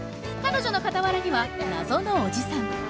彼女の傍らには謎のおじさん。